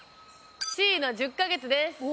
Ｃの１０か月です。